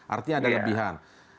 artinya ada lebihan